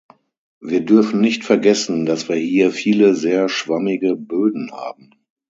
Wir dürfen nicht vergessen, dass wir hier viele sehr schwammige Böden haben.